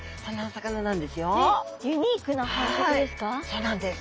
そうなんです。